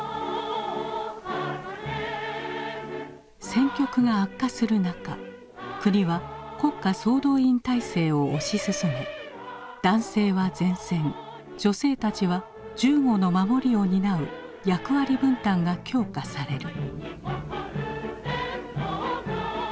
戦局が悪化する中国は国家総動員体制を推し進め男性は前線女性たちは銃後の守りを担う役割分担が強化される。